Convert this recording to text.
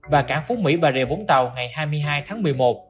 và cảng phố mỹ và rìa vốn tàu ngày hai mươi hai tháng một mươi một